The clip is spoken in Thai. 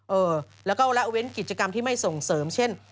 เออแล้วก็ละเว้นกิจกรรมที่ไม่ส่งเสริมเช่น